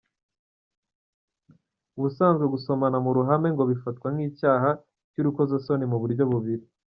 Ubusanzwe gusomana mu ruhame ngo bifatwa nk’icyaha cy’urukozasoni mu buryo bubiri.